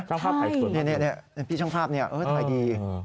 ช่างภาพถ่ายสวยมากนี่พี่ช่างภาพนี่เออถ่ายดี